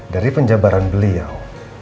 dari penjabaran beliau